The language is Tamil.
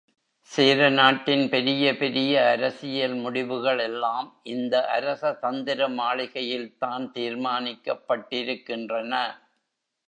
சேர நாட்டின் பெரிய பெரிய அரசியல் முடிவுகள் எல்லாம் இந்த அரசதந்திர மாளிகையில்தான் தீர்மானிக்கப்பட்டிருக்கின்றன.